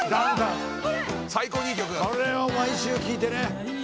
「これを毎週聴いてね」